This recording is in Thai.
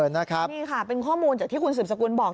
นี่ค่ะเป็นข้อมูลจากที่คุณสืบสกุลบอก